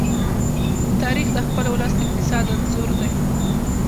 تاریخ د خپل ولس د اقتصاد انځور دی.